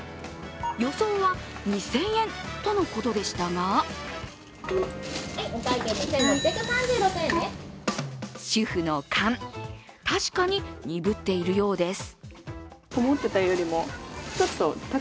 予想は２０００円とのことでしたが主婦の勘、確かに鈍っているようです。